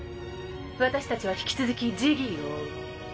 私たちは引き続きジギーを追う。